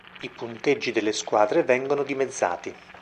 I punteggi delle squadre vengono dimezzati.